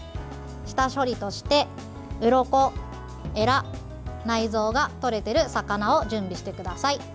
下処理として、うろこ、えら内臓が取れている魚を準備してください。